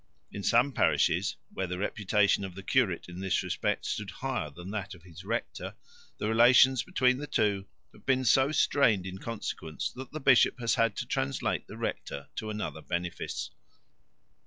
In some parishes, where the reputation of the curate in this respect stood higher than that of his rector, the relations between the two have been so strained in consequence that the bishop has had to translate the rector to another benefice.